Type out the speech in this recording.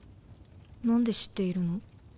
何で知っているの？